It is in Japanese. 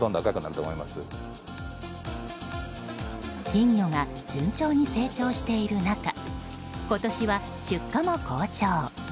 金魚が順調に成長している中今年は出荷も好調。